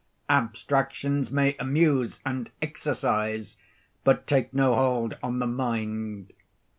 Abstractions may amuse and exercise, but take no hold on the mind.